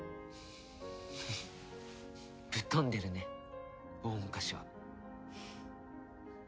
ぶっ飛んでるね大昔は。